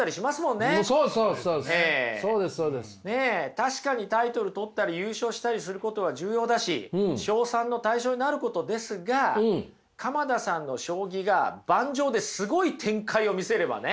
確かにタイトル取ったり優勝したりすることは重要だし称賛の対象になることですが鎌田さんの将棋が盤上ですごい展開を見せればね